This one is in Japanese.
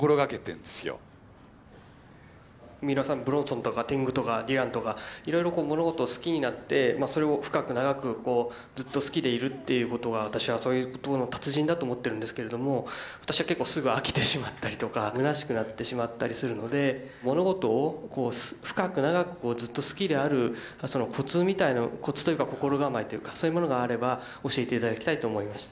みうらさんはブロンソンとか天狗とかディランとかいろいろ物事を好きになってそれを深く長くずっと好きでいるっていうことが私はそういうところの達人だと思ってるんですけれども私は結構すぐ飽きてしまったりとかむなしくなってしまったりするので物事を深く長くずっと好きであるコツみたいなコツというか心構えというかそういうものがあれば教えて頂きたいと思いました。